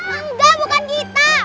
enggak bukan kita